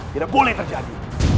tidak boleh terjadi